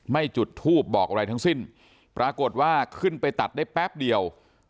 จุดทูบบอกอะไรทั้งสิ้นปรากฏว่าขึ้นไปตัดได้แป๊บเดียว